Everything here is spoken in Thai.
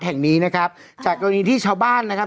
แห่งนี้นะครับจากกรณีที่ชาวบ้านนะครับ